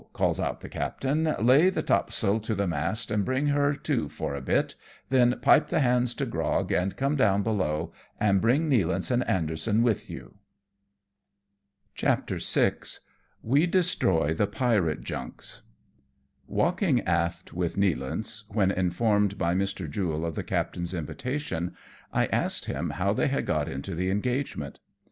calls out the captain, " lay the top sail to the mast and bring her to for a bit ; then pipe the hands to grog and come down below, and bring Nealance and Anderson with you." CHAPTER VI. WE DESTROY THE PIRATE JUNKS. Walking aft with Nealance^ when informed by Mr. Jule of the captain's invitation, I asked him how they had got into the engagement.